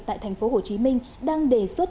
tại thành phố hồ chí minh đang đề xuất